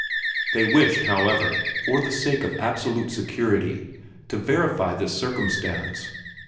They wished, however, for the sake of absolute security, to verify this circumstance.